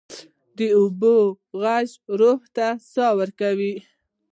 د اوبو ږغ روح ته ساه ورکوي.